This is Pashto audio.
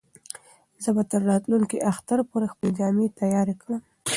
زه به تر راتلونکي اختر پورې خپلې جامې تیارې کړم.